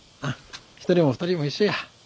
一人も二人も一緒や。